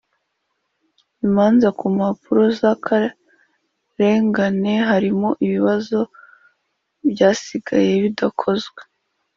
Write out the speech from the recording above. Imanza ku mpamvu z akarengane harimo ibibazo byasigaye bidakozwe